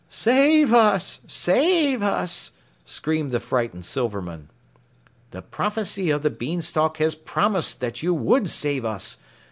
"Save us! Save us!" screamed the frightened Silvermen. "The prophecy of the beanstalk has promised that you would save us.